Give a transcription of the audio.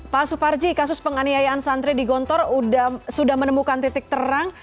pak suparji kasus penganiayaan santri di gontor sudah menemukan titik terang